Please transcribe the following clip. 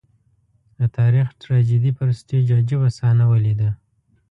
د تاریخ د ټراجېډي پر سټېج عجيبه صحنه ولیده.